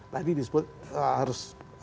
tadi disebut harus